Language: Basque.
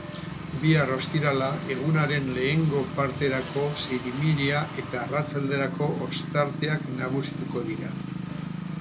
Bihar, ostirala, egunaren lehengo parterako zirimiria eta arratsalderako ostarteak nagusituko dira.